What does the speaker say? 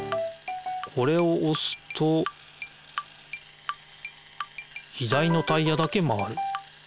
これをおすと左のタイヤだけ回る。